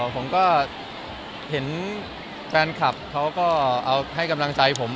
ผมก็เห็นแฟนคลับเขาก็เอาให้กำลังใจผม